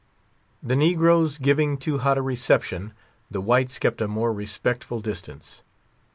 The negroes giving too hot a reception, the whites kept a more respectful distance.